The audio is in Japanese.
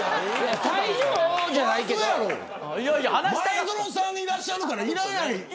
前園さんがいらっしゃるから、いらない。